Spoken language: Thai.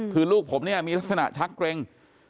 คือลูกผมเนี่ยมีลักษณะชักเกร็ง